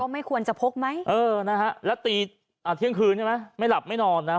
ไม่ควรจะพกไหมเออนะฮะแล้วตีอ่าเที่ยงคืนใช่ไหมไม่หลับไม่นอนนะ